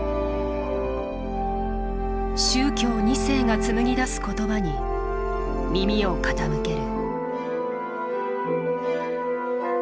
宗教２世がつむぎ出す言葉に耳を傾ける。